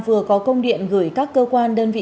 vừa có công điện gửi các cơ quan đơn vị